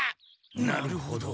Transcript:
なるほど。